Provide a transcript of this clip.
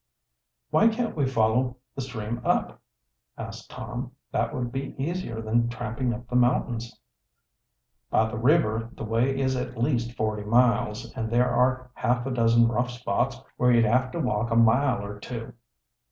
"Why can't we follow the stream up?" asked Tom. "That would be easier than tramping up the mountains." "By the river the way is at least forty miles, and there are half a dozen rough spots where you'd have to walk a mile or two."